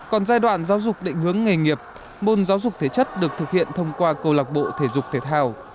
còn giai đoạn giáo dục định hướng nghề nghiệp môn giáo dục thể chất được thực hiện thông qua câu lạc bộ thể dục thể thao